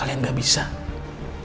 pernikahannya bisa berjalan sepenuhnya